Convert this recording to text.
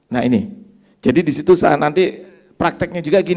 nah ini jadi di situ saat nanti prakteknya juga gini